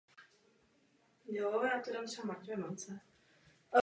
Obdivuji vaši vytrvalost, paní komisařko.